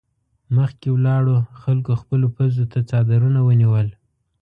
مخکې ولاړو خلکو خپلو پزو ته څادرونه ونيول.